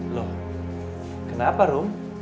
loh kenapa rum